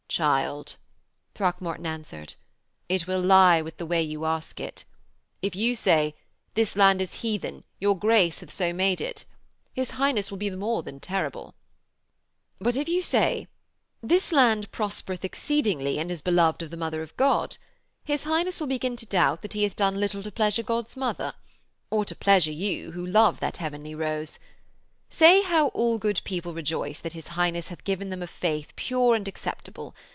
'Child,' Throckmorton answered, 'it will lie with the way you ask it. If you say: "This land is heathen, your Grace hath so made it," his Highness will be more than terrible. But if you say: "This land prospereth exceedingly and is beloved of the Mother of God," his Highness will begin to doubt that he hath done little to pleasure God's Mother or to pleasure you who love that Heavenly Rose. Say how all good people rejoice that his Highness hath given them a faith pure and acceptable.